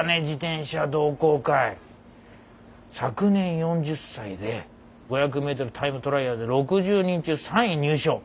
「昨年４０才で５００ｍタイムトライアルで６０人中３位入賞。